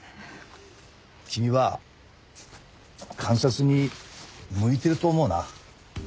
君は監察に向いてると思うな。